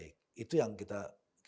bisa digunakan disalurkan dengan baik